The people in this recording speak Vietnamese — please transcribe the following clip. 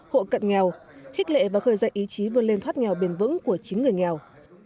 hộ cận nghèo khích lệ và khơi dậy ý chí vươn lên thoát nghèo bền vững của chính người nghèo